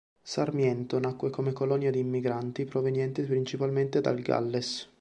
Sarmiento nacque come colonia di immigranti, provenienti principalmente dal Galles.